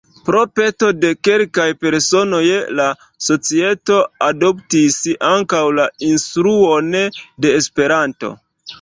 Pro peto de kelkaj personoj, la societo adoptis ankaŭ la instruon de Esperanto.